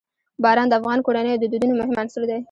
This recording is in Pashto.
باران د افغان کورنیو د دودونو مهم عنصر دی.